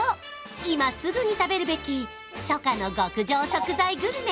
今すぐに食べるべき初夏の極上食材グルメ